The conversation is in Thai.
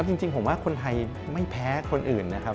จริงผมว่าคนไทยไม่แพ้คนอื่นนะครับ